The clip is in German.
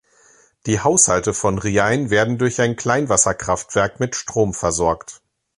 Die Haushalte von Riein werden durch ein Kleinwasserkraftwerk mit Strom versorgt.